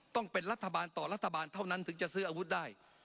ต้องเป็นรัฐบาลต่อรัฐบาลเท่านั้นถึงจะซื้ออาวุธได้